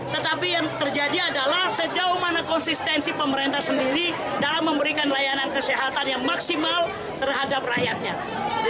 tetapi yang terjadi adalah sejauh mana konsistensi pemerintah sendiri dalam memberikan layanan kesehatan yang maksimal terhadap rakyatnya